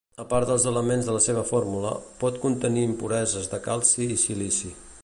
A part dels elements de la seva fórmula, pot contenir impureses de calci i silici.